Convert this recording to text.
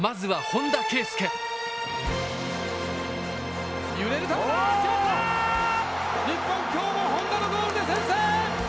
今日も本田のゴールで先制！